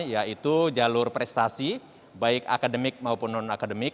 yaitu jalur prestasi baik akademik maupun non akademik